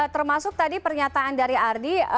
termasuk tadi pernyataan dari ardi